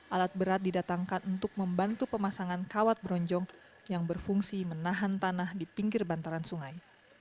alat berat didatangkan untuk membantu pemasangan kawat bronjong yang berfungsi menahan tanah di pinggir bantaran sungai